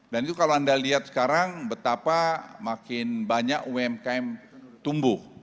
dan itu kalau anda lihat sekarang betapa makin banyak umkm tumbuh